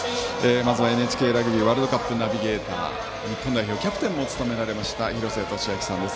まずはＮＨＫラグビーワールドカップナビゲーター日本代表キャプテンもお務めになりました廣瀬俊朗さんです。